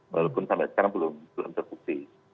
walaupun sampai sekarang belum belum terkuksi